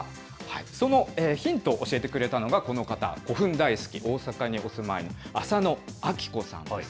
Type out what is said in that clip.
そのヒントを教えてくれたのが、この方、古墳大好き、大阪にお住まいの朝野亜希子さんです。